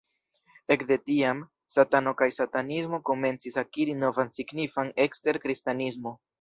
Ekde tiam, Satano kaj Satanismo komencis akiri novan signifan ekster Kristanismo.